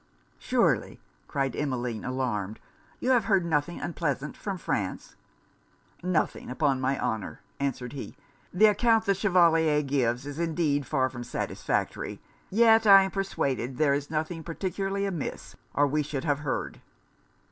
'Surely,' cried Emmeline, alarmed, 'you have heard nothing unpleasant from France?' 'Nothing, upon my honour,' answered he. 'The account the Chevalier gives is indeed far from satisfactory, yet I am persuaded there is nothing particularly amiss, or we should have heard.'